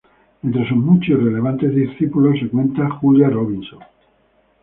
Entre sus muchos y relevantes discípulos se cuenta Julia Robinson.